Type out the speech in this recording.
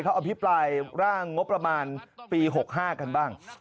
เขาอภิปรายร่างงบประมาณปี๖๕กันบ้าง